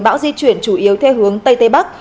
bão di chuyển chủ yếu theo hướng tây tây bắc